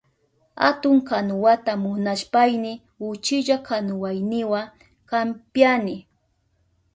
Atun kanuwata munashpayni uchilla kanuwayniwa kampyani.